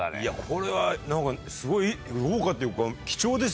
これは何かすごい豪華っていうか。